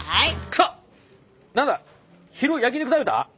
何だ昼焼き肉食べた？